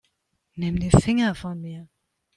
Nimm die Finger von mir.